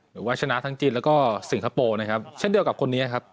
หรือว่าชนะทั้งจีนแล้วก็สิงคโปร์นะครับเช่นเดียวกับคนนี้ครับ